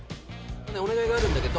お願いがあるんだけど。